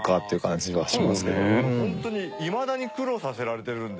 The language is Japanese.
ホントにいまだに苦労させられてるんで。